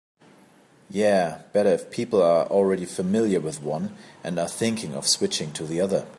Yeah, better if people are already familiar with one and are thinking of switching to the other.